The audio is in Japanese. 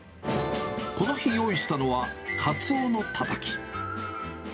この日、用意したのはかつおのたたき。